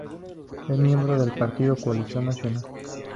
Es miembro del partido de Coalición Nacional.